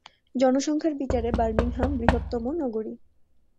জনসংখ্যার বিচারে বার্মিংহাম বৃহত্তম নগরী।